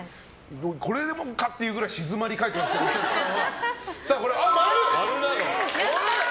これでもかっていうくらい静まり返ってますけどあ、○なんだ！